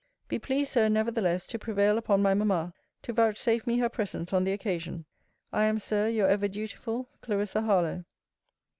Be pleased, Sir, nevertheless, to prevail upon my mamma, to vouchsafe me her presence on the occasion. I am, Sir, your ever dutiful CL. HARLOWE.